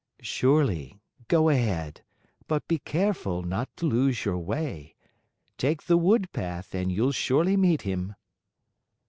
"Surely; go ahead, but be careful not to lose your way. Take the wood path and you'll surely meet him."